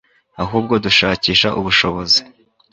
ahubwo dushakisha ubushobozi